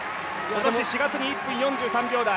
今年４月に１分３０秒台。